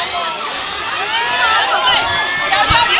โปรดติดตามตอนต่อไป